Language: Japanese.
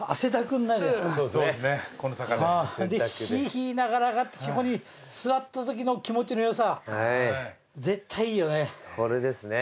言いながら上がってきてここに座ったときの気持ちの良さ絶対いいよね。